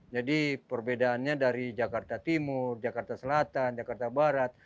jadi perbedaannya dari jakarta timur jakarta selatan jakarta barat